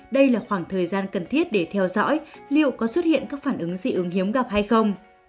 đây là khoảng thời gian cần thiết để theo dõi liệu có xuất hiện các phản ứng dị ứng hiếm gặp hay không